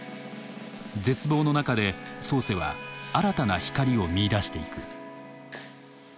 絶望の中でソーセは新たな光を見いだしていく。